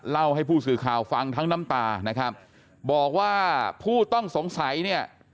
เล่าให้ผู้สื่อข่าวฟังทั้งน้ำตานะครับบอกว่าผู้ต้องสงสัยเนี่ย